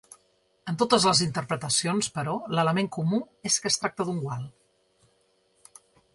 En totes les interpretacions, però, l'element comú és que es tracta d'un gual.